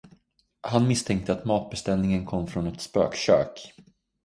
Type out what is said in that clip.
Han misstänkte att matbeställningen kom från ett spökkök.